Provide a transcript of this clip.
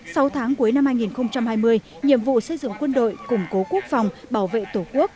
sau tháng cuối năm hai nghìn hai mươi nhiệm vụ xây dựng quân đội củng cố quốc phòng bảo vệ tổ quốc